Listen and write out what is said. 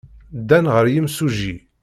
Ddan ɣer yimsujji.